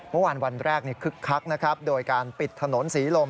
เมื่อวานวันแรกคึกคลักโดยการปิดถนนศรีลม